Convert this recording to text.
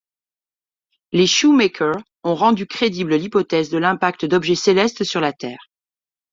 Les Shoemaker ont rendu crédible l'hypothèse de l'impact d'objets célestes sur la Terre.